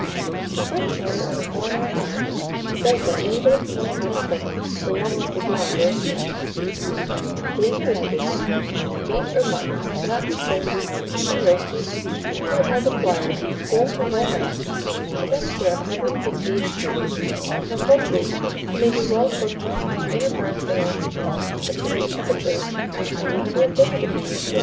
A French writer on the culinary art says that anybody can learn how to cook, but one must be born a roaster. According to Liebig, beef or mutton cannot be said to be sufficiently roasted until it has acquired, throughout the whole mass, a temperature of 158°; but poultry may be well cooked when the inner parts have attained a temperature of from 130° to 140°.